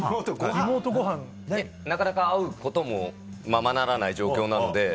なかなか会うこともままならない状況なので。